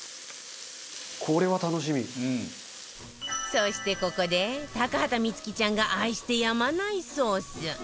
そしてここで高畑充希ちゃんが愛してやまないソース